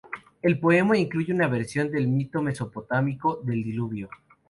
El poema incluye una versión del mito mesopotámico del diluvio.